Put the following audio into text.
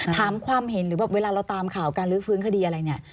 ถามความเห็นหรือแบบเวลาเราตามข่าวการลื้อฟื้นคดีอะไรเนี่ย